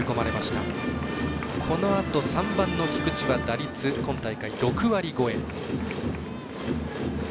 このあと３番の菊地は打率、今大会６割超え。